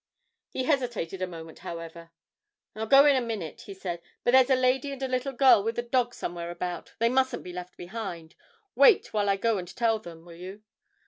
He hesitated a moment, however. 'I'll go in a minute,' he said, 'but there's a lady and a little girl with a dog somewhere about. They mustn't be left behind. Wait while I go and tell them, will you?'